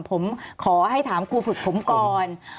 ผมขอให้ถามครูฝึกผมก่อน